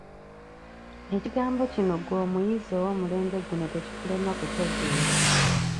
Ekigambo kino ggwe omuyizi ow'omulembe guno tekikulema kutegeera.